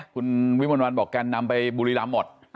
คุณวิมันวัลบอกการนำไปบุรีรัมฯหมด